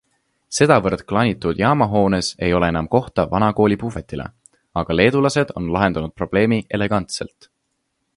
Sedavõrd klanitud jaamahoones ei ole enam kohta vana kooli puhvetile, aga leedulased on lahendanud probleemi elegantselt.